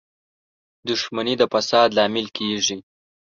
• دښمني د فساد لامل کېږي.